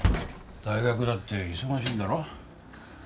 大学だって忙しいんだろ？